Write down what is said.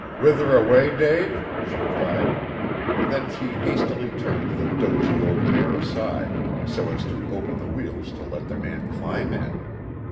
"Whither away, Dave?" she cried. Then she hastily turned the dozy old mare aside, so as to open the wheels to let the man climb in.